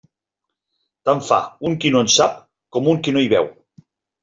Tant fa un qui no en sap, com un qui no hi veu.